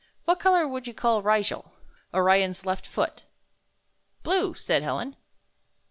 "What color would you call Rigel (Ri' jel), Orion's left foot?" ''Bluer said Helen.